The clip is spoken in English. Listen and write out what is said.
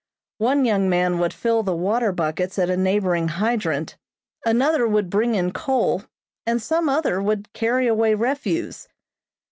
One young man would fill the water buckets at a neighboring hydrant, another would bring in coal, and some other would carry away refuse.